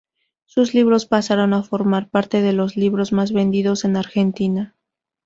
Sus libros pasaron a formar parte de los libros más vendidos en Argentina.